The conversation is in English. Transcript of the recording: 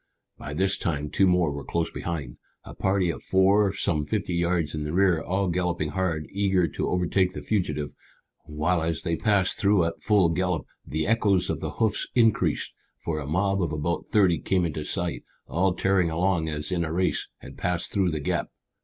By this time two more were close behind, a party of four some fifty yards in the rear, all galloping hard, eager to overtake the fugitive, while as they passed through at full gallop the echoes of the hoofs increased, for a mob of about thirty came into sight, all tearing along as in a race, and passed through the gap.